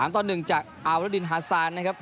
ต่อ๑จากอาวรินฮาซานนะครับ